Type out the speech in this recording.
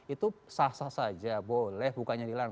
itu sah sah saja boleh bukannya dilarang